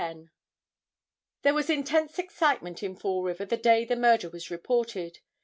There was intense excitement in Fall River the day the murder was reported.